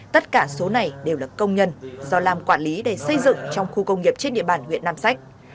tất cả số này đều là công nhân do lam quản lý để xây dựng trong khu công nghiệp trên địa bàn huyện nam sách